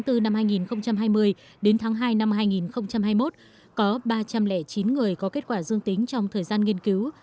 từ tháng năm hai nghìn hai mươi đến tháng hai năm hai nghìn hai mươi một có ba trăm linh chín người có kết quả dương tính trong thời gian nghiên cứu